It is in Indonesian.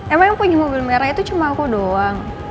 emang yang punya mobil merah itu cuma aku doang